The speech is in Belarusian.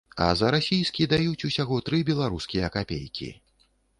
А за расійскі даюць усяго тры беларускія капейкі.